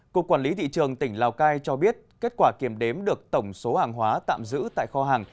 cục quản lý thị trường tỉnh lào cai cho biết kết quả kiểm đếm được tổng số hàng hóa tạm giữ tại kho hàng